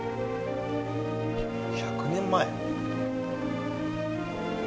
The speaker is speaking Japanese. １００年前。